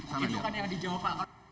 itu kan yang dijawab pak